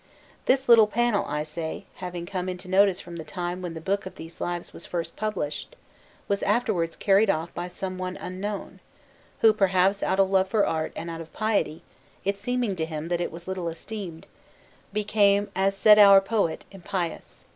This little panel, I say, having come into notice from the time when the book of these Lives was first published, was afterwards carried off by someone unknown, who, perhaps out of love for art and out of piety, it seeming to him that it was little esteemed, became, as said our poet, impious.